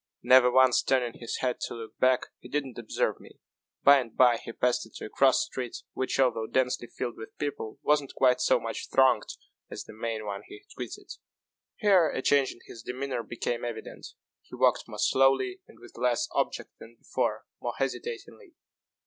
Never once turning his head to look back, he did not observe me. By and bye he passed into a cross street, which, although densely filled with people, was not quite so much thronged as the main one he had quitted. Here a change in his demeanor became evident. He walked more slowly and with less object than before more hesitatingly.